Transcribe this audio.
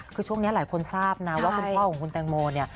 คือช่วงนี้หลายคนทราบนะว่าคุณพ่อของคุณแตงโมเนี่ย